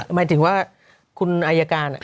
หมายถึงว่าคุณอายการ